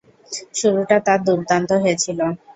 শুরুটা তার দূর্দান্ত হয়েছিল।